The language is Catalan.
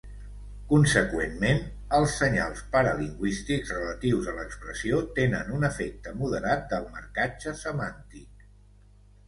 Conseqüentment, els senyals paralingüístics relatius a l'expressió tenen un efecte moderat del marcatge semàntic.